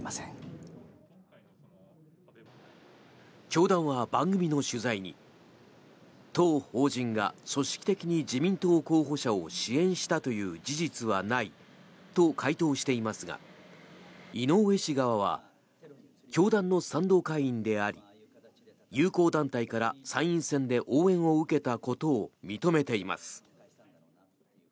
教団は番組の取材に当法人が組織的に自民党候補者を支援したという事実はないと回答していますが井上氏側は教団の賛同会員であり友好団体から参院選で応援を受けたことを認めています。